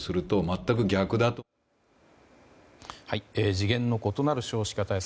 次元の異なる少子化対策